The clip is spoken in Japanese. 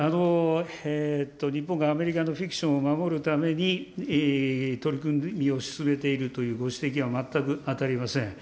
日本がアメリカのフィクションを守るために取り組みを進めているというご指摘は全く当たりません。